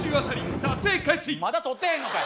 まだ撮ってへんのかい！